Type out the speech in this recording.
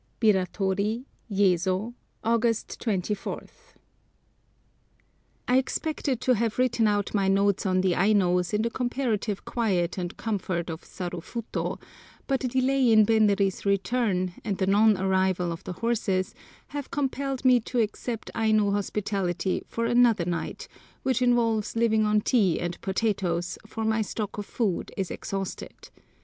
BIRATORI, YEZO, August 24. I EXPECTED to have written out my notes on the Ainos in the comparative quiet and comfort of Sarufuto, but the delay in Benri's return, and the non arrival of the horses, have compelled me to accept Aino hospitality for another night, which involves living on tea and potatoes, for my stock of food is exhausted.